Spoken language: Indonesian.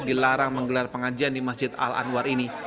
dilarang menggelar pengajian di masjid al anwar ini